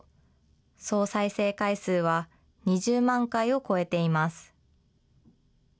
総再生回数は２０万回を超えています。